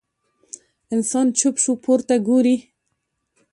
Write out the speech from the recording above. انسان چوپ شو، پورته ګوري.